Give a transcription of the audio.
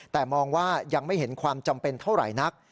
แต่มองว่ายังไม่เห็นความจำเป็นเท่าไหร่นัก